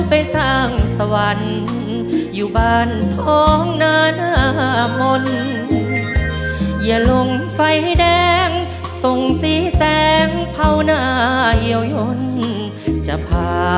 มาดูกันนะครับแผ่นที่๓ก็คือ